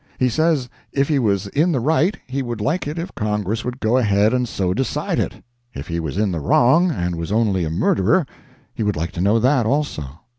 He says if he was in the right, he would like it if Congress would go ahead and so decide it; if he was in the wrong, and was only a murderer, he would like to know that, also.